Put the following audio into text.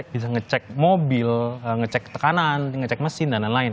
bisa ngecek mobil ngecek tekanan ngecek mesin dan lain lain